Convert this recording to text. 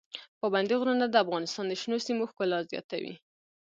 پابندي غرونه د افغانستان د شنو سیمو ښکلا زیاتوي.